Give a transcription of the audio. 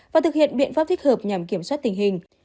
và thực hiện biện pháp thích hợp nhằm kiểm soát tình hình